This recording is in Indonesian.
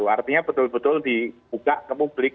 artinya betul betul dibuka ke publik